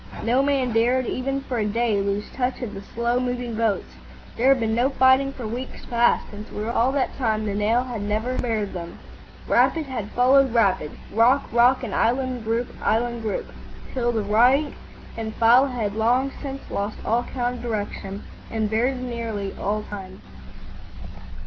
No man dared even for a day lose touch of the slow moving boats; there had been no fighting for weeks past, and throughout all that time the Nile had never spared them. Rapid had followed rapid, rock rock, and island group island group, till the rank and file had long since lost all count of direction and very nearly of time.